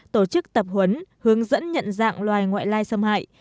tổ chức tập huấn hướng dẫn nhận dạng loài ngoại lai xâm hại